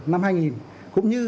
năm hai nghìn cũng như